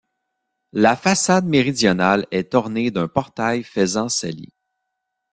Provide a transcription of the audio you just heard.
La façade méridionale est ornée d'un portail faisant saillie.